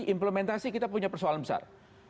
implementasi kita punya persoalan besar